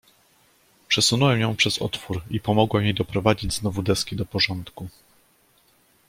"Przesunąłem ją przez otwór, i pomogłem jej doprowadzić znowu deski do porządku."